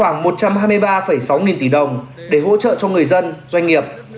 khoảng một trăm hai mươi ba sáu nghìn tỷ đồng để hỗ trợ cho người dân doanh nghiệp